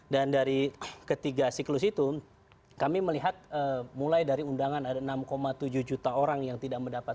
dan dari ketiga siklus itu kami melihat mulai dari undangan ada enam tujuh juta orang yang menanggapi